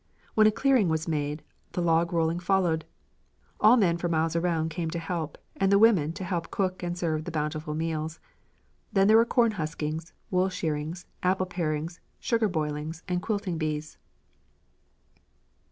When a clearing was made, the log rolling followed. All men for miles around came to help, and the women to help cook and serve the bountiful meals. Then there were corn huskings, wool shearings, apple parings, sugar boilings, and quilting bees."